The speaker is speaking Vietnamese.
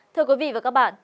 thưa quý vị và các bạn